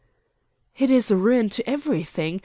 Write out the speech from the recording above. "It is ruin to everything.